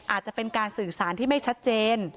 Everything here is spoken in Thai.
อาจจะเป็นการสื่อสารที่ไม่ชัดเจน